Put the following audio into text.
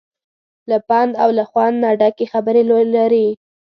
له پند او له خوند نه ډکې خبرې لري.